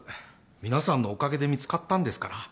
皆さんのおかげで見つかったんですから。